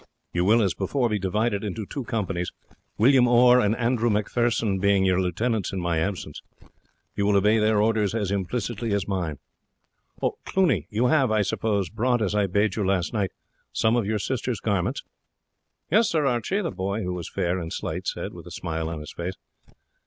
You will, as before, be divided into two companies, William Orr and Andrew Macpherson being your lieutenants in my absence. You will obey their orders as implicitly as mine. Cluny, you have, I suppose, brought, as I bade you last night, some of your sister's garments?" "Yes, Sir Archie," the boy, who was fair and slight, said, with a smile on his face.